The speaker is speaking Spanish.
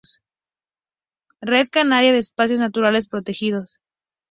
Red Canaria de Espacios Naturales Protegidos